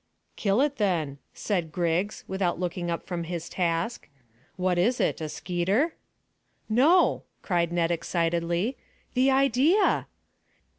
"Kill it, then," said Griggs, without looking up from his task. "What is it a skeeter?" "No," cried Ned excitedly. "The idea!"